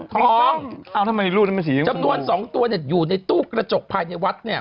ท้องมายุ่นจะบ่นสองตนอยู่ในตู้กระจกพลายุธ